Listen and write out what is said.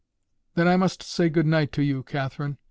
"Then I must say good night to you, Catherine.